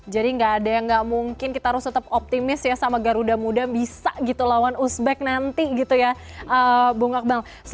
jadi nggak ada yang nggak mungkin kita harus tetap optimis ya sama garuda muda bisa gitu lawan uzbek nanti gitu ya bu ngakbal